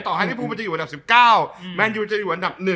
ต่อที่ว่าพวกมันจะอยู่ดับ๑๙แม่งจะอยู่ดับดับ๑